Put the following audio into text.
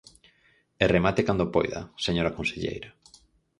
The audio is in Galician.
E remate cando poida, señora conselleira.